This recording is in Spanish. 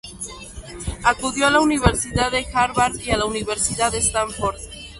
Acudió a la Universidad de Harvard y a la Universidad Stanford.